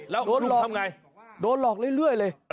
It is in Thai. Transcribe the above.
แล้วลุงทำไงโดนหลอกเรื่อยเลย